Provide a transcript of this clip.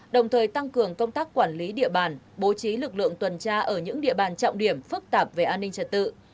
đồng thời tăng cường công tác quản lý địa bàn bố trí lực lượng tuần tra ở những địa bàn trọng điểm phức tạp về an ninh trật tự